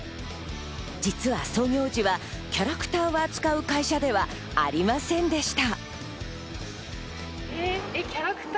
実は創業時はキャラクターを扱う会社ではありませんでした。